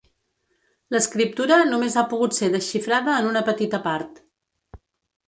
L'escriptura només ha pogut ser desxifrada en una petita part.